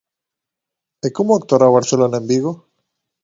E como actuará o Barcelona en Vigo?